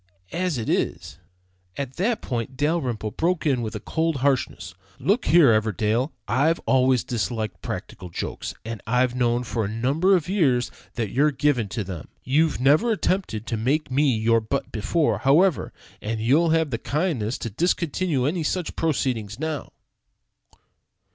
As it is " At this point Dalrymple broke in with cold harshness: "Look here, Everdell, I always disliked practical jokes, and I've known for a number of years that you're given to them. You've never attempted to make me your butt before, however, and you'll have the kindness to discontinue any such proceeding now."